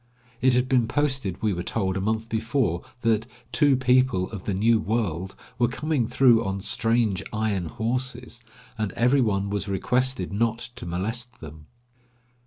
It had been posted, we were told, a month before, that "two people of the new world" were coming through on "strange iron horses," and every one was requested not to molest them.